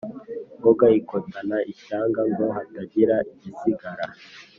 Ngoga ikotana ishyanga ngo hatagira igisigara